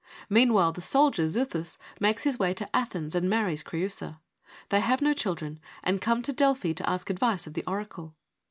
Meanwhile, the soldier Xuthus makes his way to Athens and marries Creusa. They have no children, and come to Delphi to ask advice of the oracle.